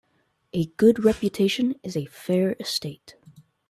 A good reputation is a fair estate.